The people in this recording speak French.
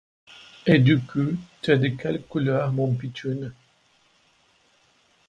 Et du coup, t’es de quelle couleur, mon pitchoun ?